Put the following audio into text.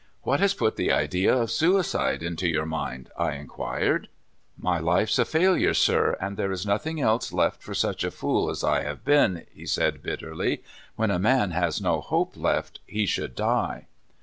"What has put the idea of suicide into your mind? " I inquired. "My life's a failure, sir; and there is nothing else left for such a fool as I have been," he said bitterl3^ "When a man has no hope left, he should die."